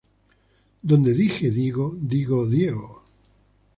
Donde dije digo, digo Diego